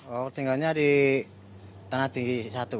oh tinggalnya di tanah tinggi satu